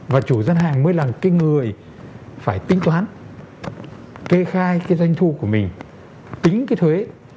và chủ dân hàng mới là cái người phải tính toán kê khai cái doanh thu của mình tính cái thuế